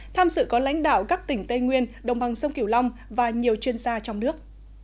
tham sự có lãnh đạo các tỉnh tây nguyên đồng bằng sông kiểu long và nhiều chuyên gia trong nước